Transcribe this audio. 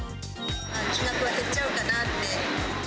金額は減っちゃうかなって。